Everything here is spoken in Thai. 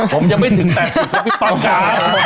ผมยังไม่ถึง๘๐ตั้งน้ำไว้